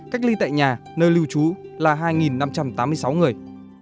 cách ly tại nhà nơi lưu trú là hai năm trăm tám mươi sáu người